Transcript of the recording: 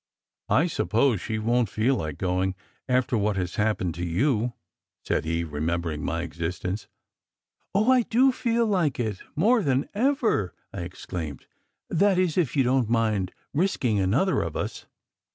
"I suppose she won t feel like going, after what has happened to you?" said he, remembering my existence. "Oh, I do feel like it, more than ever," I exclaimed, "that is, if you don t mind risking another of us."